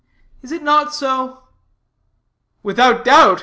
Is it not so?" "Without doubt.